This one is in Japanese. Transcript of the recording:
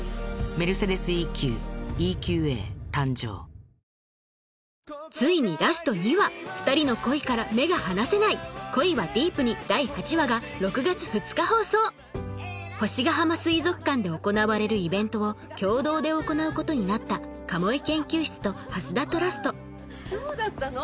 この衝撃の告白の後ついにラスト２話２人の恋から目が離せない星ヶ浜水族館で行われるイベントを共同で行うことになった鴨居研究室と蓮田トラスト今日だったの？